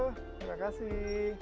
halo terima kasih